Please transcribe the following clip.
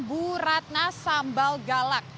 buratna sambal galak